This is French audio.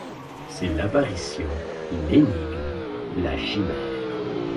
C’est l’apparition, l’énigme, la chimère